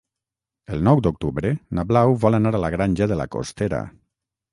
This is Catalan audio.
El nou d'octubre na Blau vol anar a la Granja de la Costera.